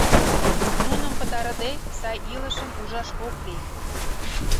Нуным пытарыде, сай илышым ужаш ок лий.